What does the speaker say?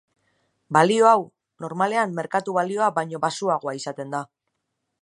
Balio hau, normalean merkatu-balioa baino baxuagoa izaten da.